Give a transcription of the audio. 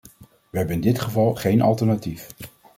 We hebben in dit geval geen alternatief.